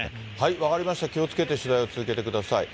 分かりました、気をつけて取材を続けてください。